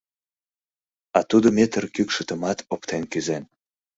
А тудо метр кӱкшытымат оптен кӱзен.